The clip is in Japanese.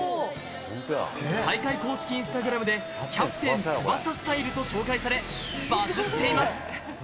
大会公式インスタグラムでキャプテン翼スタイルと紹介され、バズっています。